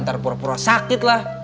ntar pura pura sakit lah